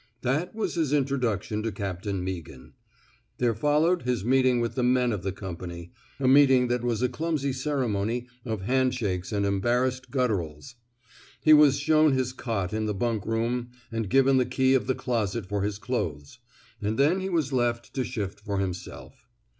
That was his introduction to Captain Meaghan. There followed his meeting 152 COEEIGAN'S PEOMOTION with the men of the company, a meeting that was a clumsy ceremony of handshakes and embarrassed gutturals. He was shown his cot in the bunk room and given the key of the closet for his clothes, and then he was left to shift for himself.